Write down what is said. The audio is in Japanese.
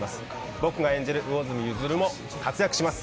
僕が演じる魚住譲も活躍します。